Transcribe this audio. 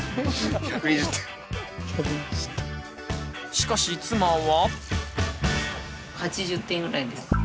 しかし妻は。